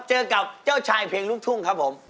เจอกับเจ้าชายเพลงลูกทุ่งครับผม